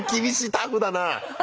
タフだな。